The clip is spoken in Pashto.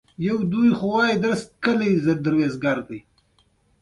ښه را غلاست